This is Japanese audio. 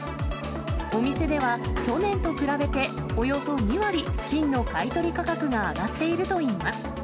お店では去年と比べて、およそ２割金の買い取り価格が上がっているといいます。